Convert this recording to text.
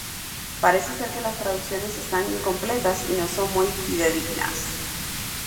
Parece ser que las traducciones están incompletas y no son muy fidedignas.